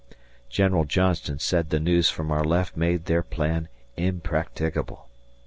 General Johnston said the news from our left made their plan impracticable.